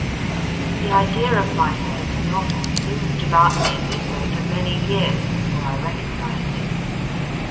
The idea of my first novel moved about me in this way for many years before I recognised it.